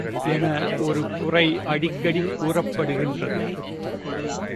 என ஒரு குறை அடிக்கடி கூறப்படுகின்றது.